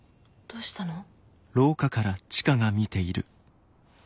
どうしたの？